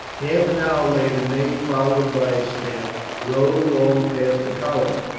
Half an hour later Ney, followed by his staff, rode along past the column.